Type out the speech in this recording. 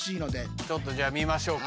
ちょっとじゃあ見ましょうか。